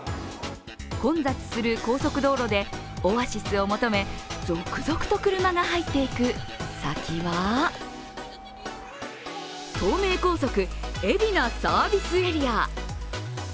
混雑する高速道路でオアシスを求め、続々と車が入っていく先は東名高速、海老名サービスエリア。